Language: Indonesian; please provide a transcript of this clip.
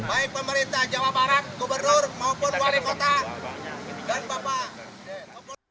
baik pemerintah jawa barat gubernur maupun wali kota dan bapak gubernur